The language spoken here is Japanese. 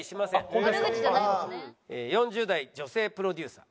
４０代女性プロデューサー。